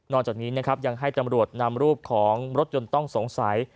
จากนี้นะครับยังให้ตำรวจนำรูปของรถยนต์ต้องสงสัย